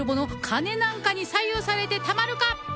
金なんかに左右されてたまるか！